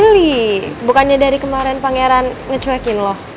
oh really bukannya dari kemarin pangeran ngecuekin lo